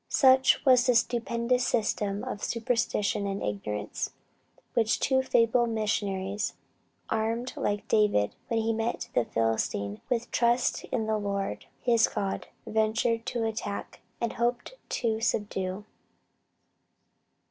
Such was the stupendous system of superstition and ignorance, which two feeble missionaries armed like David when he met the Philistine with "trust in the Lord his God," ventured to attack, and hoped to subdue.